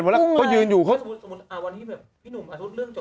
สมมุติว่าวันที่พี่หนุ่มมาสู้เรื่องจบแล้วนะ